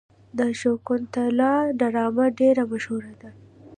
د شاکونتالا ډرامه ډیره مشهوره ده.